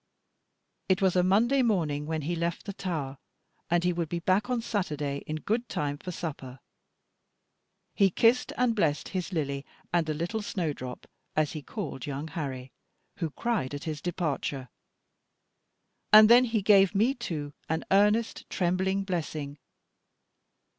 It was a Monday morning when he left the tower, and he would be back on Saturday in good time for supper. He kissed and blessed his Lily, and the little snow drop as he called young Harry, who cried at his departure; and then he gave me too an earnest trembling blessing.